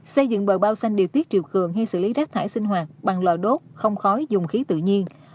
xây dựng bờ bao xanh điều tiết triều cường hay xử lý rác thải sinh hoạt bằng lò đốt không khói dùng khí tự nhiên